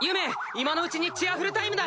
今のうちにチアふるタイムだ！